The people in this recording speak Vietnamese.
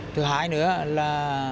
thứ hai nữa là